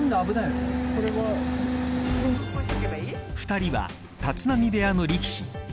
２人は立浪部屋の力士。